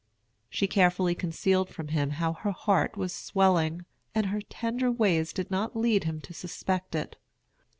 She carefully concealed from him how her heart was swelling, and her tender ways did not lead him to suspect it.